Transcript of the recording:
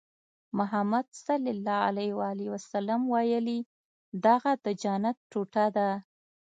محمد ص ویلي دغه د جنت ټوټه ده.